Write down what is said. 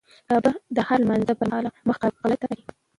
کعبه د هر لمونځه پر مهال مخ قبله ټاکي.